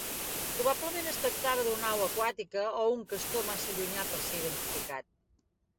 Probablement es tractava d'un au aquàtica o un castor massa llunyà per ser identificat.